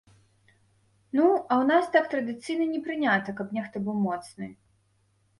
Ну, а ў нас так традыцыйна не прынята, каб нехта быў моцны.